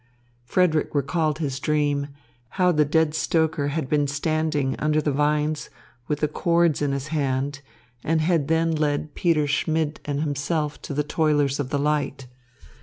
Frederick recalled his dream how the dead stoker had been standing under the vines with the cords in his hand and had then led Peter Schmidt and himself to the Toilers of the Light.